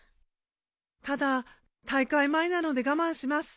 ただ大会前なので我慢します。